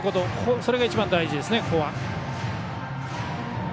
それが一番大事ですね。